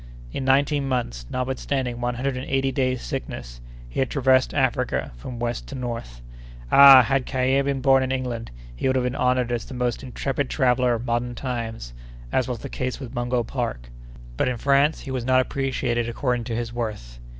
In nineteen months, notwithstanding one hundred and eighty days' sickness, he had traversed Africa from west to north. Ah! had Callié been born in England, he would have been honored as the most intrepid traveller of modern times, as was the case with Mungo Park. But in France he was not appreciated according to his worth."